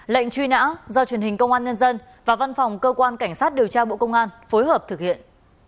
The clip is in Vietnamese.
lệnh truy nã do truyền hình công an nhân dân và văn phòng cơ quan cảnh sát điều tra bộ công an phối hợp thực hiện